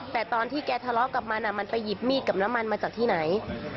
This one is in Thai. แต่ตอนที่แกทะเลาะกับมันมันไปหยิบมีดกับน้ำมันมาจากที่ไหน